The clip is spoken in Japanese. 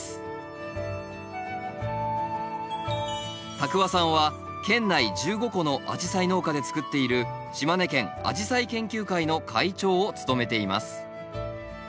多久和さんは県内１５戸のアジサイ農家でつくっている島根県アジサイ研究会の会長を務めています